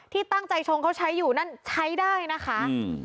ที่ตั้งใจชงเขาใช้อยู่นั่นใช้ได้นะคะอืม